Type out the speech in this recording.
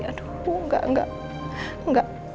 aduh enggak enggak